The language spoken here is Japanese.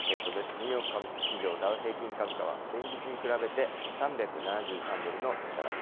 ニューヨーク株式市場ダウ平均株価は、前日に比べて３７３ドルの値下がり。